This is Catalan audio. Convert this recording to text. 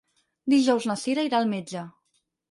Dijous na Cira irà al metge.